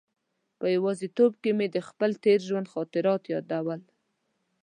په یوازې توب کې مې د خپل تېر ژوند خاطرات یادول.